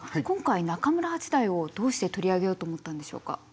今回中村八大をどうして取り上げようと思ったんでしょうか？